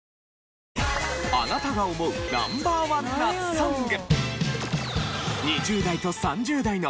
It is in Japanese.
あなたが思うＮｏ．１夏ソング。